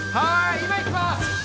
今いきます